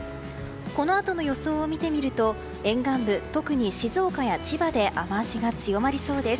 このあとの予想を見てみると沿岸部、特に静岡や千葉で雨脚が強まりそうです。